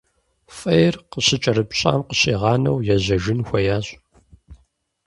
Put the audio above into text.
Фӏейр къыщыкӏэрыпщӏам къыщигъанэу ежьэжын хуеящ.